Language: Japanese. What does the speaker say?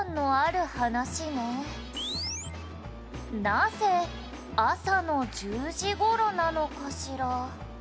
「なぜ朝の１０時頃なのかしら？」